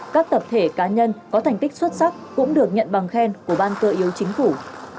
các tập thể cá nhân có thành tích xuất sắc cũng được nhận bằng khen của ban cơ yếu chính phủ